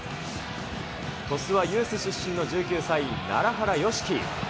鳥栖はユース出身の１９歳、楢原慶輝。